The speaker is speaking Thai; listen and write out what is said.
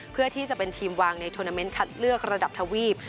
เพื่อที่จะเป็นทีมวางในทวนาเมนต์คัดเลือกระดับทวีป